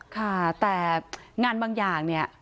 ค่ะแต่งานบางอย่างเนี่ย